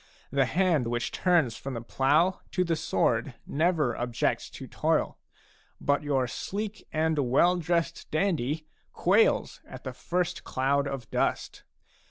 The hand which turns from the plough to the sword never objects to toil ; but your sleek and well dressed dandy quails at the first cloud of dust.